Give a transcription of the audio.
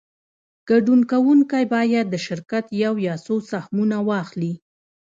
ګډون کوونکی باید د شرکت یو یا څو سهمونه واخلي